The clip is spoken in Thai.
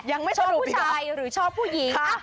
ยังไม่ชอบผู้ชายหรือชอบผู้หญิง